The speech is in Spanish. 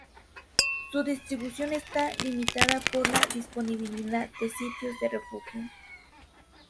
Su distribución está limitada por la disponibilidad de sitios de refugio.